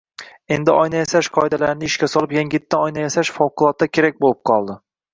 Endi oyna yasash qoidalarini ishga solib, yangitdan oyna yasash favqulotda kerak bo‘lib qoldi.